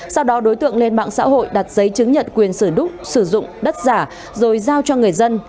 sau đó đối tượng lên mạng xã hội đặt giấy chứng nhận quyền sử đúc sử dụng đất giả rồi giao cho người dân